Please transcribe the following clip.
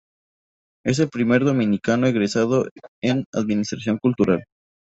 Es el primer dominicano egresado en Administración Cultural.